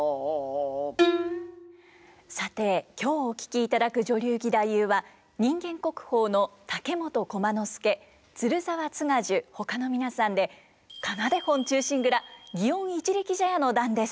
さて今日お聴きいただく女流義太夫は人間国宝の竹本駒之助鶴澤津賀寿ほかの皆さんで「仮名手本忠臣蔵園一力茶屋の段」です。